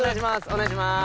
お願いします。